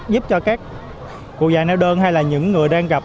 giúp cho các cụ dạng nêu đơn hay là những người đang gặp